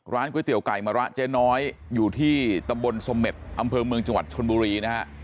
ก๋วยเตี๋ยไก่มะระเจ๊น้อยอยู่ที่ตำบลสเม็ดอำเภอเมืองจังหวัดชนบุรีนะฮะ